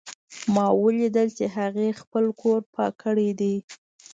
ما ولیدل چې هغې خپل کور پاک کړی ده